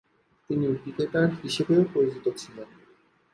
তিনি ক্রিকেটার হিসেবেও পরিচিত ছিলেন।